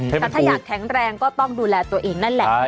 แต่ถ้าอยากแข็งแรงก็ต้องดูแลตัวเอง